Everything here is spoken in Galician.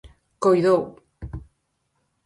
Coidou.